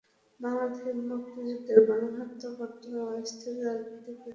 বাংলাদেশের মুক্তিযুদ্ধের গণহত্যা, বর্তমান অস্থির রাজনৈতিক পরিস্থিতিও তাঁর শিল্পকর্মে ঘুরেফিরে আসে।